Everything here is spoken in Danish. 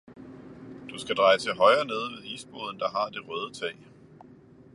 Du skal dreje til højre nede ved isboden, der har det røde tag.